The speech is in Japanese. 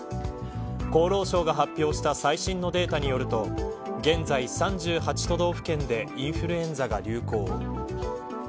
厚労省が発表した最新のデータによると現在３８都道府県でインフルエンザが流行。